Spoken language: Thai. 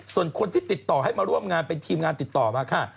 ส่วนคนที่ติดต่อให้มาร่วมงานเป็นทีมงานติดต่อมาค่ะ